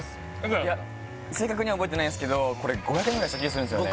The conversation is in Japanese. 正確には覚えてないんですけどこれ５００円ぐらいした気するんですよね